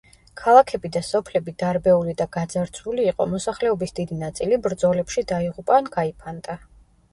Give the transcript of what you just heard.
ქალაქები და სოფლები დარბეული და გაძარცვული იყო, მოსახლეობის დიდი ნაწილი ბრძოლებში დაიღუპა ან გაიფანტა.